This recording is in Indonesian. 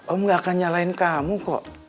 om gak akan nyalain kamu kok